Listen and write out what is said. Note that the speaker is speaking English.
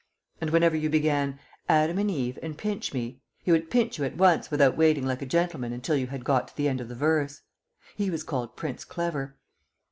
and whenever you began "Adam and Eve and Pinchme" he would pinch you at once without waiting like a gentleman until you had got to the end of the verse. He was called Prince Clever.